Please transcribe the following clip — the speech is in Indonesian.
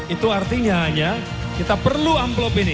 itu artinya hanya kita perlu amplop ini